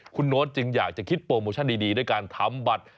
คุณโน้ตจึงอยากจะคิดโปรโมชั่นดีด้วยการทำบัตร